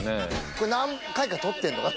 これ何回か撮ってんのか